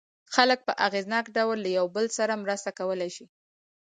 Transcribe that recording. خلک په اغېزناک ډول له یو بل سره مرسته کولای شي.